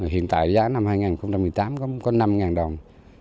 hiện tại giá năm hai nghìn một mươi tám có năm đồng